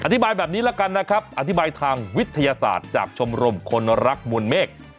อธิบายแบบนี้ละกันนะครับอธิบายทางวิทยาศาสตร์จากชมรมคนรักมวลเมฆ